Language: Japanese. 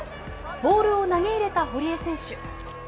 ボールを投げ入れた堀江選手。